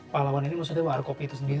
pahlawan ini maksudnya warcop itu sendiri